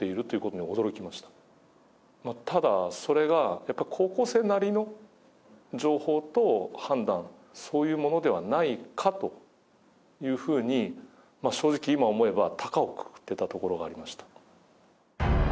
ただそれがやっぱり高校生なりの情報と判断そういうものではないかというふうに正直今思えばたかをくくってたところがありました。